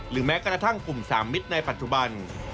แม้กระทั่งกลุ่มสามมิตรในปัจจุบัน